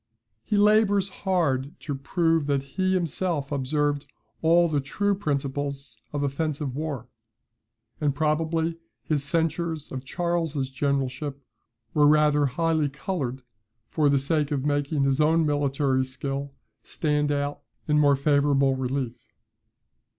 He labours hard to prove that he himself observed all the true principles of offensive war: and probably his censures of Charles's generalship were rather highly coloured, for the sake of making his own military skill stand out in more favourable relief.